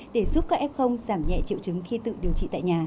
để giúp các f giảm nhẹ triệu chứng khi tự điều trị tại nhà